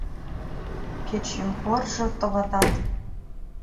Кеч юнкоржо, товатат.